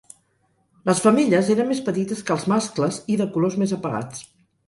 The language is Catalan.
Les femelles eren més petites que els mascles i de colors més apagats.